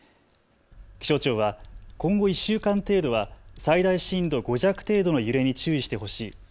気象庁は今後１週間程度は最大震度５弱程度の揺れに注意してほしい。